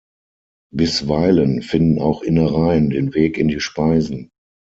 Bisweilen finden auch Innereien den Weg in die Speisen.